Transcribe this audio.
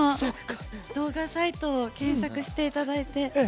動画サイト、検索していただいて。